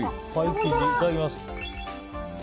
いただきます。